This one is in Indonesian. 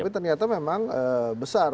tapi ternyata memang besar